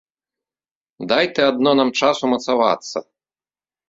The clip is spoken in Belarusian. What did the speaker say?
Дай ты адно нам час умацавацца.